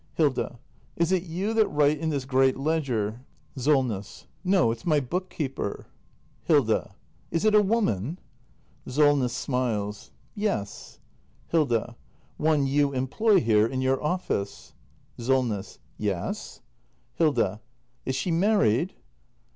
Hilda. Is it you that write in this great ledger ? SOLNESS. No, it's my book keeper. Hilda. Is it a woman ? SOLNESS. [Smiles.] Yes. Hilda. One you employ here, in your office ? SOLNESS. Yes. Hilda. Is she married